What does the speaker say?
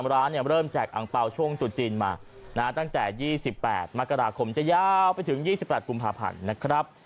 เริ่มแจกอังเปล่าช่วงตุดจีนมาตั้งแต่๒๘มกราคมจะยาวไปถึง๒๘กุมภาพันธ์นะครับ